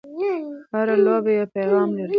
هره لوبه یو پیغام لري.